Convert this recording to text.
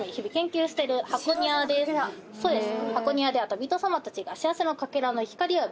そうです。